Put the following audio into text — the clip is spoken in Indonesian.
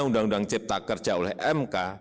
undang undang cipta kerja oleh mk